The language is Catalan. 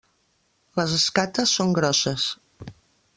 Les escates són grosses.